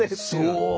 そう。